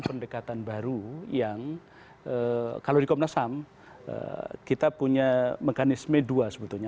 dan pendekatan baru yang kalau di komnas ham kita punya mekanisme dua sebetulnya